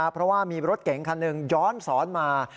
เพราะว่ามีรถเก๋งคันหนึ่งย้อนสอนมา